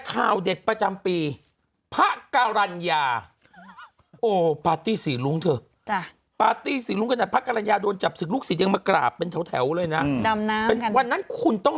ข่าวเดธประจำปีภะกาลัญญาโอ้สิ่งด้วยถึงมากระเป็นแถวเลยนะจำน้ำคุณต้อง